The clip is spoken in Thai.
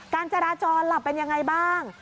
การจราจรเป็นอย่างไรบ้าง